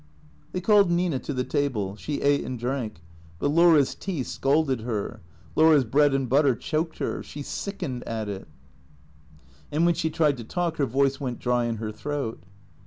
They called Nina to the table. She ate and drank; but Laura's tea scalded her; Laura's bread and butter choked her; she sickened at it; and when she tried to talk her voice went dry in her throat.